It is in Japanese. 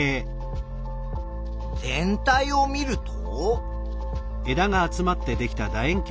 全体を見ると。